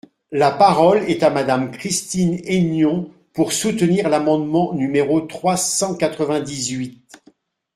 La parole est à Madame Christine Hennion, pour soutenir l’amendement numéro trois cent quatre-vingt-dix-huit.